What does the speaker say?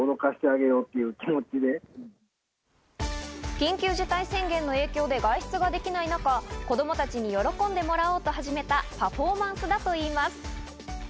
緊急事態宣言の影響で外出ができない中、子供たちに喜んでもらおうと始めたパフォーマンスだといいます。